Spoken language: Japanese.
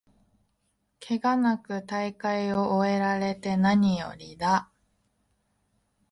ケガなく大会を終えられてなによりだ